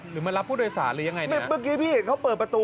มารับผู้โดยสารหรือยังไงไม่เมื่อกี้พี่เห็นเขาเปิดประตู